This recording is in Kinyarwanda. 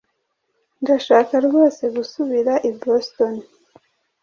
Ndashaka rwose gusubira i Boston.